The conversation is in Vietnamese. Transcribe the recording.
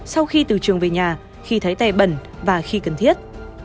sau khi từ trường về nhà khi thấy tè bẩn và khi cần thiết